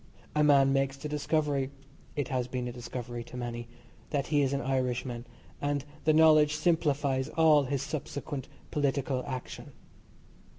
A man makes the discovery (it has been a discovery to many) that he is an Irishman, and the knowledge simplifies all his subsequent political action.